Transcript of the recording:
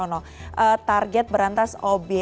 oke kalau kita bicara sesuai dengan headline kita ini prof laksana